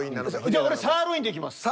じゃあ俺サーロインでいきます。